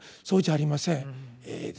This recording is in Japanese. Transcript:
そうじゃありません。